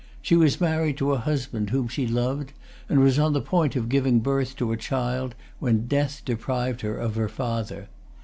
She was married to a husband whom she loved, and was on the point of giving birth to a child when death deprived her of her father.